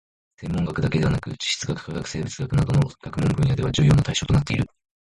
天文学だけでなく地質学・化学・生物学などの学問分野では重要な対象となっている